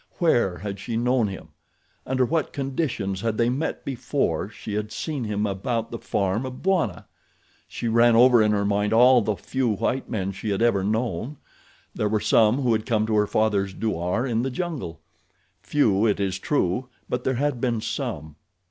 Where had she known him? Under what conditions had they met before she had seen him about the farm of Bwana? She ran over in her mind all the few white men she ever had known. There were some who had come to her father's douar in the jungle. Few it is true, but there had been some.